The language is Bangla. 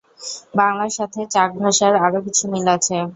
বাংলার সাথে চাক ভাষার আরো কিছু মিল আছে।